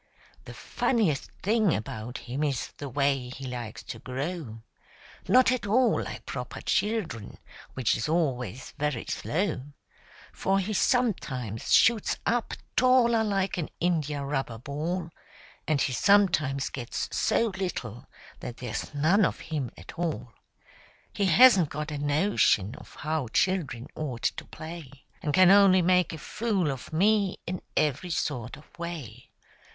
The funniest thing about him is the way he likes to grow— Not at all like proper children, which is always very slow; For he sometimes shoots up taller like an india rubber ball, And he sometimes gets so little that there's none of him at all. He hasn't got a notion of how children ought to play, And can only make a fool of me in every sort of way.